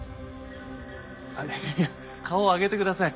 いやいや顔を上げてください。